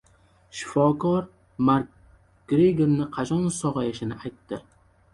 Shifokor Makgregorning qachon sog‘ayishini aytdi